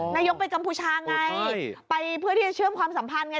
นายกไปกัมพูชาไงไปเพื่อที่จะเชื่อมความสัมพันธ์ไง